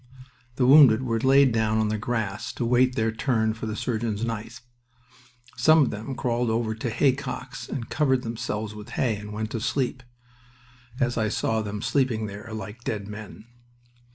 The wounded were laid down on the grass to wait their turn for the surgeon's knife. Some of them crawled over to haycocks and covered themselves with hay and went to sleep, as I saw them sleeping there, like dead men.